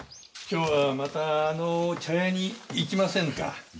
今日はまたあの茶屋に行きませぬか？